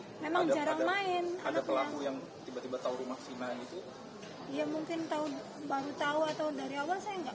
ya mungkin baru tahu atau dari awal saya nggak tahu